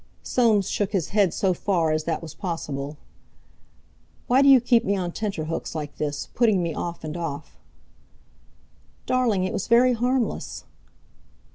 Soames shook his head so far as that was possible. "Why do you keep me on tenterhooks like this, putting me off and off?" "Darling, it was very harmless."